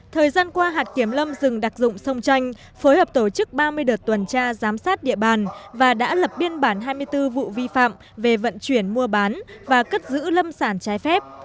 thời gian qua hạt kiểm lâm rừng đặc dụng sông tranh phối hợp tổ chức ba mươi đợt tuần tra giám sát địa bàn và đã lập biên bản hai mươi bốn vụ vi phạm về vận chuyển mua bán và cất giữ lâm sản trái phép